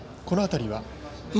この辺りは？